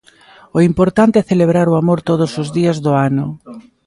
O importante é celebrar o amor todos os días do ano.